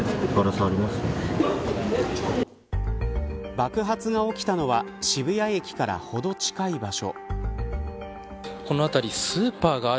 爆発が起きたのは渋谷駅からほど近い場所。